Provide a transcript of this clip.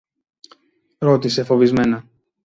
ρώτησε φοβισμένα.